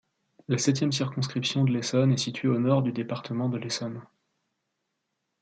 La septième circonscription de l’Essonne est située au nord du département de l’Essonne.